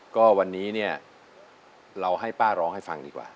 ก็วันนี้เนี่ยเราให้ป้าร้องให้ฟังดีกว่า